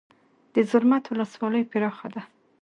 د زرمت ولسوالۍ پراخه ده